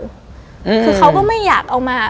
คือเขาก็ไม่อยากเอามา